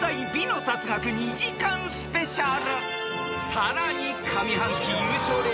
［さらに］